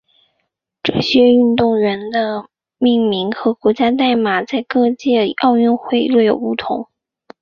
这些运动员的命名和国家代码在各届奥运会略有不同。